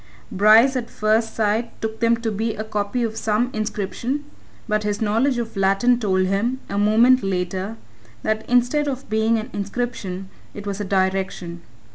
Bryce at first sight took them to be a copy of some inscription but his knowledge of Latin told him, a moment later, that instead of being an inscription, it was a direction.